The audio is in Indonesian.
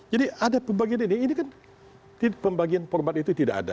jadi ada pembagian ini ini kan pembagian format itu tidak ada